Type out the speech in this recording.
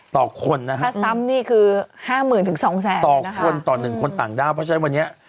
ต่อคนนะคะต่อคนต่อ๑คนต่างด้าวเพราะฉะนั้นวันนี้